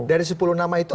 dari sepuluh nama itu